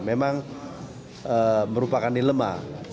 memang merupakan dilema